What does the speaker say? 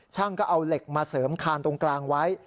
ช่างก็เอาเหล็กมาเสริมคานตรงกลางไว้